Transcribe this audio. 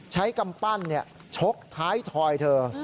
กำปั้นชกท้ายทอยเธอ